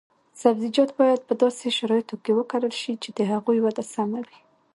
سبزیجات باید په داسې شرایطو کې وکرل شي چې د هغوی وده سمه وي.